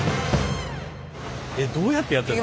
えっどうやってやってんの？